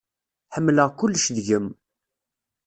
Ḥemmleɣ kullec deg-m.